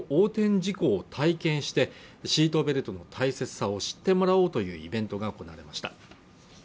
事故を体験してシートベルトの大切さを知ってもらおうというイベントが行われました